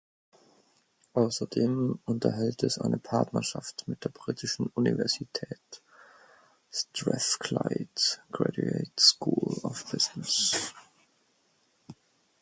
Außerdem unterhält es eine Partnerschaft mit der britischen Universität Strathclyde Graduate School of Business.